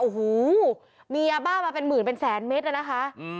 โอ้โหมียาบ้ามาเป็นหมื่นเป็นแสนเมตรอะนะคะ